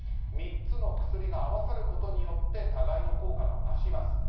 ３つの薬が合わさることによって互いの効果が増します。